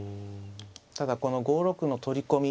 ただこの５六の取り込み